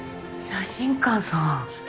写真館さん。